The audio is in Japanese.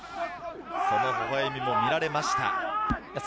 そのほほ笑みも見られました。